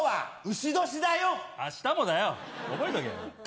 明日もだよ、覚えとけよ。